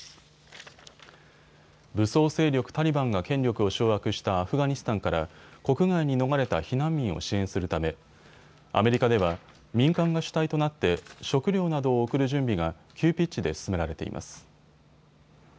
武装勢力タリバンが権力を掌握したアフガニスタンから国外に逃れた避難民を支援するためアメリカでは民間が主体となって食糧などを送る準備が急ピッチで進められています。